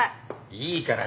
いいから。